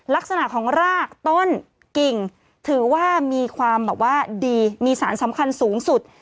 ลักษณะของรากต้นกิ่งถือว่ามีความแบบว่าดีมีสารสำคัญสูงสุด